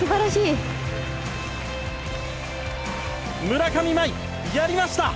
村上茉愛やりました！